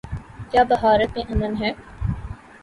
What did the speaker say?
کیا بھارت میں امن ہے؟